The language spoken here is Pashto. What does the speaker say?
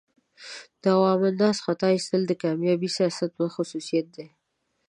د عوام الناس خطا ایستل د کامیاب سیاست خصوصیات دي.